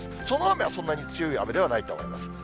その雨はそんなに強い雨ではないと思います。